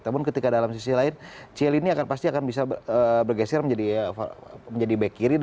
namun ketika dalam sisi lain chil ini akan pasti akan bisa bergeser menjadi back kiri